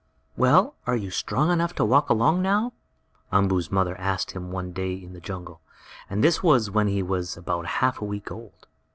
"Well, are you strong enough to walk along now?" Umboo's mother asked him one day in the jungle, and this was when he was about half a week old.